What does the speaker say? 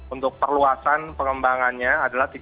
untuk perluasan pengembangannya adalah tiga puluh delapan m